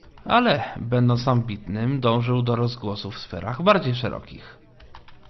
"Ale, będąc ambitnym, dążył do rozgłosu w sferach bardziej szerokich."